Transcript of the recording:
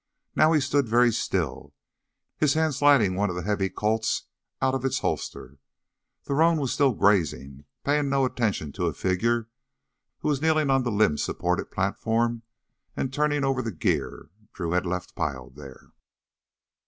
Now he stood very still, his hand sliding one of the heavy Colts out of its holster. The roan was still grazing, paying no attention to a figure who was kneeling on the limb supported platform and turning over the gear Drew had left piled there.